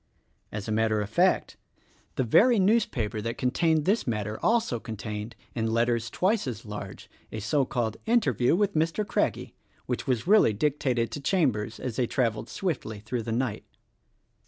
As a matter of fact, the very newspaper that contained this matter also 96 THE RECORDING ANGEL contained — in letters twice as large — a so called interview with Mr. Craggie (which was really dictated to Chambers as they traveled swiftly through the night).